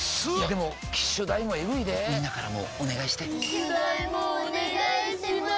でも機種代もエグいでぇみんなからもお願いして機種代もお願いします